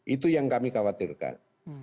itu yang kami khawatirkan